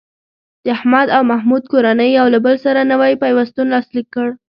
د احمد او محمود کورنۍ یو له بل سره نوی پیوستون لاسلیک کړ.